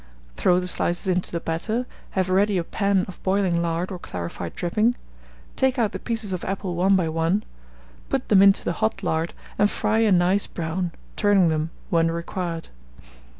Throw the slices into the batter; have ready a pan of boiling lard or clarified dripping; take out the pieces of apple one by one, put them into the hot lard, and fry a nice brown, turning them when required.